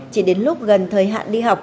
chỉ đến lúc gần thời hạn đi học